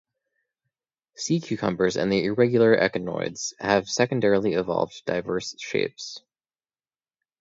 Sea cucumbers and the irregular echinoids have secondarily evolved diverse shapes.